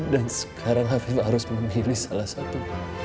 dan sekarang afif harus memilih salah satu